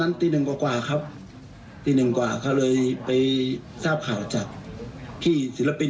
ดีจุก็มารู้ก็เสียเลย